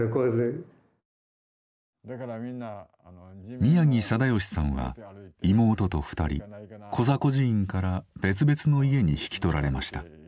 宮城定吉さんは妹と２人コザ孤児院から別々の家に引き取られました。